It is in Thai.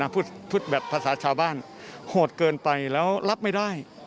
พูดแบบภาษาชาวบ้านโหดเกินไปแล้วรับไม่ได้